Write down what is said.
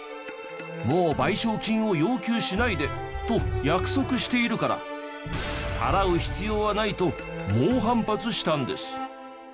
もう賠償金を要求しないでと約束しているから払う必要はないと猛反発したんです。